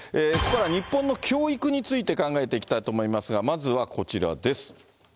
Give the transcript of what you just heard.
日本の教育について、考えていきたいと思いますが、まずはこちらです。